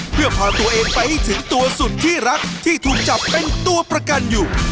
เพื่อพาตัวเองไปให้ถึงตัวสุดที่รักที่ถูกจับเป็นตัวประกันอยู่